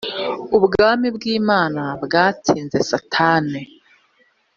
ubwami bw’ imana bwatsinze satani.